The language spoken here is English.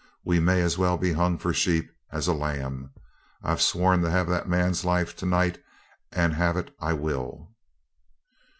We may as well be hung for a sheep as a lamb. I've sworn to have that man's life to night, and have it I will.'